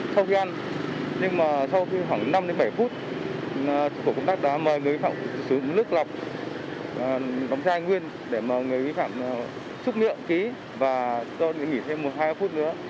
sau khi ăn nhưng mà sau khoảng năm bảy phút tổ công tác đã mời người vi phạm sử dụng nước lọc đóng da nguyên để mời người vi phạm xúc miệng ký và do nghỉ thêm một hai phút nữa